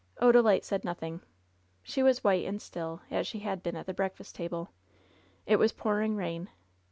Odalite said nothing. She was white and still, as she had been at the breakfast table. It was pouring rain.